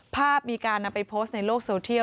ภาพมีการนำไปโพสต์ในโลกโซเทียล